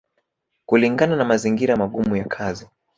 kulingana na mazingira magumu ya kazi